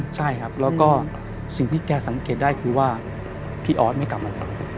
ใช่ครับแล้วก็สิ่งที่แกสังเกตได้คือว่าพี่ออสไม่กลับมาแล้ว